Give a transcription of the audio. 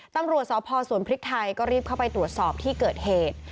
ตำรวจสพสวนพริกไทยก็รีบเข้าไปตรวจสอบที่เกิดเหตุ